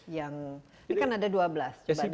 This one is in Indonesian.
yang ini kan ada dua belas